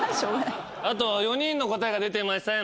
あと４人の答えが出てません。